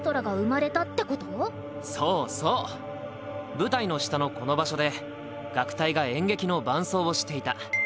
舞台の下のこの場所で楽隊が演劇の伴奏をしていた。